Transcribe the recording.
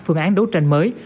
phương án đấu tranh mới